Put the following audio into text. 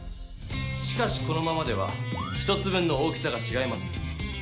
しかしこのままでは１つ分の大きさがちがいます。